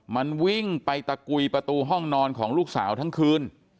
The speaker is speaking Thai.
มันวิ่งไปตะกุยประตูห้องนอนของลูกสาวทั้งคืน